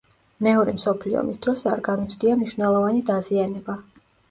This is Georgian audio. მეორე მსოფლიო ომის დროს არ განუცდია მნიშვნელოვანი დაზიანება.